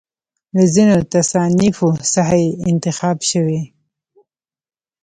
له ځینو تصانیفو څخه یې انتخاب شوی.